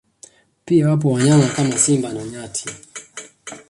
Pia wapo wanyama kama Simba na nyati